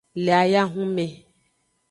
Le ayahun mme.